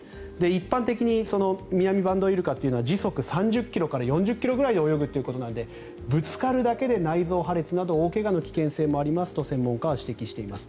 一般的にミナミバンドウイルカというのは時速３０ｋｍから４０ｋｍぐらいで泳ぐということなのでぶつかるだけで内臓破裂など大怪我の危険性があると専門家は指摘しています。